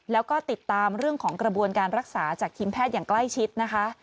แล้วก็ติดตามเรื่องของกระบวนการรักษาจากทีมแพทย์อย่างใกล้ชิดนะคะ